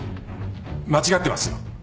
間違ってますよ。